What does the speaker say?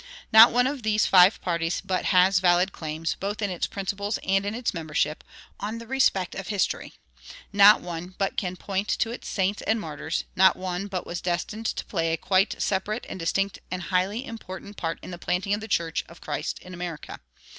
Not one of these five parties but has valid claims, both in its principles and in its membership, on the respect of history; not one but can point to its saints and martyrs; not one but was destined to play a quite separate and distinct and highly important part in the planting of the church of Christ in America.